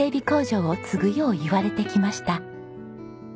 工場を継ぐよう言われてきました。